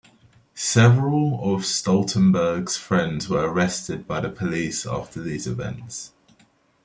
Several of Stoltenberg's friends were arrested by the police after these events.